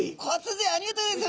ありがとうございます。